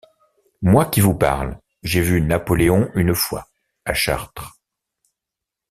Moi qui vous parle, j’ai vu Napoléon une fois, à Chartres.